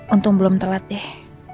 untung belum telat deh